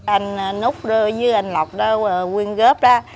anh úc với anh lộc đã quyên góp ra